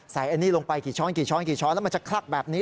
ใส่อันนี้ลงไปกี่ช้อนแล้วมันจะคลักแบบนี้